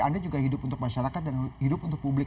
anda juga hidup untuk masyarakat dan hidup untuk publik